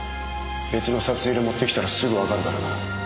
別の札入れ持ってきたらすぐわかるからな。